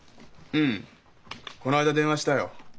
うんこの間電話したよ。